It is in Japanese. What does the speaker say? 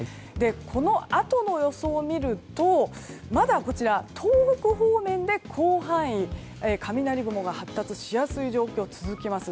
このあとの予想を見るとまだ東北方面で広範囲に雷雲が発達しやすい状況が続きます。